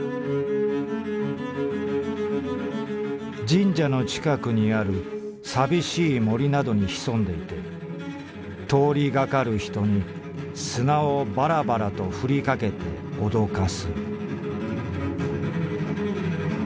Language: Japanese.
「神社の近くにある寂しい森などに潜んでいて通りがかる人に砂をばらばらと振りかけて脅かす」。